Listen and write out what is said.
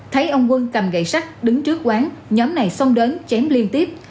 thấy ông quân cầm gậy sắt đứng trước quán nhóm này xông đến chém liên tiếp